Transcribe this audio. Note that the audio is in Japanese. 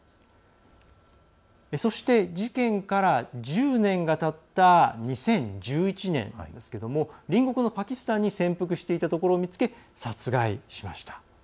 そして、事件から１０年がたった２０１１年ですけれども隣国のパキスタンに潜伏していたところを見つけ殺害しました。